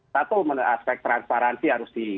satu aspek transparansi harus di